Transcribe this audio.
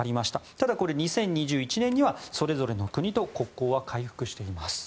ただこれ、２０２１年にはそれぞれの国と国交は回復しています。